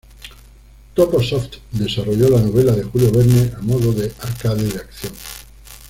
Topo Soft desarrolló la novela de Julio Verne a modo de arcade de acción.